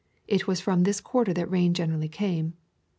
It was from this quarter that rain generally came.